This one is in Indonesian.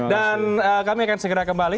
dan kami akan segera kembali